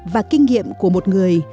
và kinh nghiệm của một người